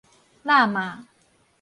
喇嘛